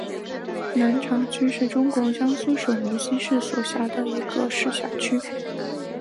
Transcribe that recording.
南长区是中国江苏省无锡市所辖的一个市辖区。